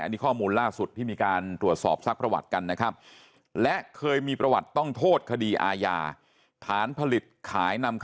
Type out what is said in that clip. อันนี้ข้อมูลล่าสุดที่มีการตรวจสอบศักดิ์ประวัติกัน